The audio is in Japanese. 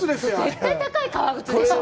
絶対高い革靴でしょう。